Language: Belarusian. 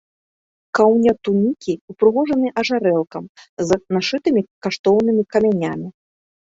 Каўнер тунікі ўпрыгожаны ажарэлкам з нашытымі каштоўнымі камянямі.